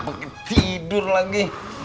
pake tidur lagi